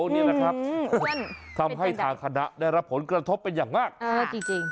นี่นะครับทำให้ทางคณะได้รับผลกระทบเป็นอย่างมากจริง